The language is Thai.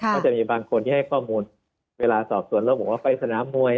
ก็จะมีบางคนที่ให้ข้อมูลเวลาสอบส่วนแล้วบอกว่าไปสนามมวย